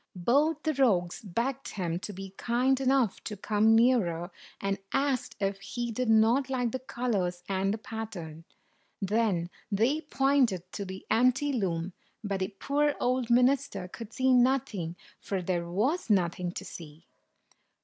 Both the rogues begged him to be kind enough to come nearer, and asked if he did not like the colors and the pattern. Then they pointed to the empty loom, but the poor old minister could see nothing, for there was nothing to see.